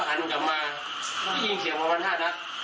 ออกไปกำลังเจอวันนี้นะครับ